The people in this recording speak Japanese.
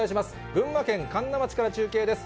群馬県神流町から中継です。